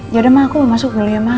yaudah ma aku mau masuk dulu ya ma